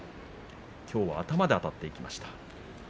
きょうは頭であたっていきました。